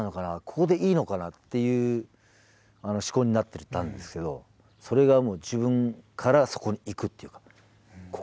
ここでいいのかなっていう思考になってたんですけどそれが自分からそこに行くっていうか